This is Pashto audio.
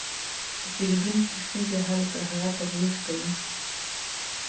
د پیرودونکي ستونزه حل کړه، هغه تبلیغ کوي.